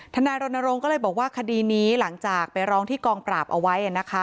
นายรณรงค์ก็เลยบอกว่าคดีนี้หลังจากไปร้องที่กองปราบเอาไว้นะคะ